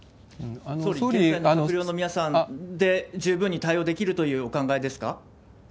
総理、今の閣僚の皆さんで十分に対応できるというお考えですか？